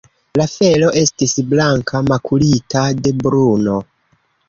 La felo estis blanka, makulita de bruno.